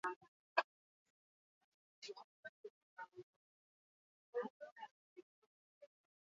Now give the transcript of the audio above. Tratu txarrak pairatzen dituzten emakumeentzako gida.